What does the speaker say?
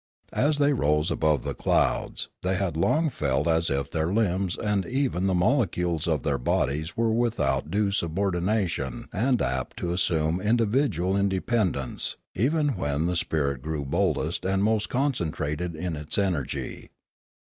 As they rose above the clouds, they had long felt as if their limbs and even the molecules of their bodies were without due subordina tion and apt to assume individual independence, even when the spirit grew boldest and most concentrated in its energy.